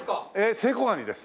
セイコガニです。